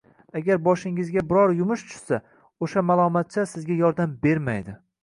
Agar boshingizga biron yumush tushsa, o‘sha malomatchilar sizga yordam bermaydi.